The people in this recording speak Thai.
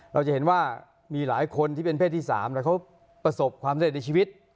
เราจะเห็นว่ามีหลายคนที่เป็นเพศที่๓แล้วเขาประสบความสำเร็จในชีวิต